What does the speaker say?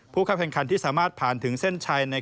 ผู้เข้าแข่งขันที่สามารถผ่านถึงเส้นชัย